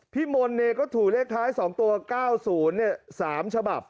พี่มนต์ก็ถูกเลขท้าย๒ตัว๙๐๓ฉบับ